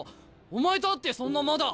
お前と会ってそんなまだ。